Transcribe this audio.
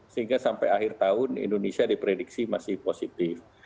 sehingga sampai akhir tahun indonesia diprediksi masih positif